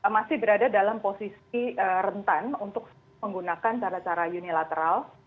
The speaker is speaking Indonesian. masih berada dalam posisi rentan untuk menggunakan cara cara unilateral